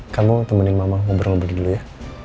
kamu temenin mama ngobrol ngobrol dulu ya